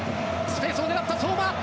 スペースを狙った相馬！